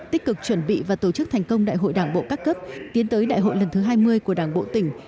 tích cực chuẩn bị và tổ chức thành công đại hội đảng bộ các cấp tiến tới đại hội lần thứ hai mươi của đảng bộ tỉnh